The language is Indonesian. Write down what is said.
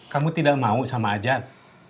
kamu tidak mau sama ajat